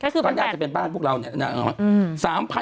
ก็น่าจะเป็นบ้านพวกเรา